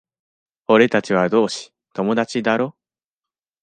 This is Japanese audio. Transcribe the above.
俺たちは同志、友達だろ？